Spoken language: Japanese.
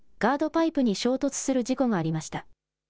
パイプに衝突する事故がありました。